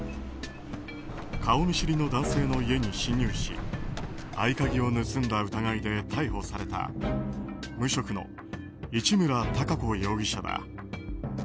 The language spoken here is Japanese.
顔見知りの男性の家に侵入し合鍵を盗んだ疑いで逮捕された無職の市村貴子容疑者だ。